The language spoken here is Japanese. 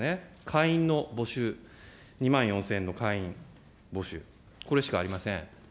会員の募集、２万４０００円の会員募集、これしかありません。